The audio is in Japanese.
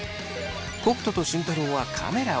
北斗と慎太郎はカメラを。